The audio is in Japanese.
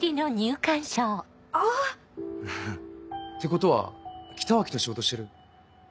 あぁ！ってことは北脇と仕事してる？